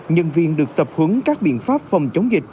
nhân viên được tập huấn các biện pháp phòng chống dịch